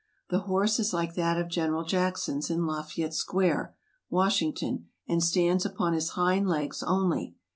The horse is like that of General Jackson's in Lafayette Square, Washington, and stands upon his hind legs only.